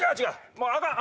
もうあかん。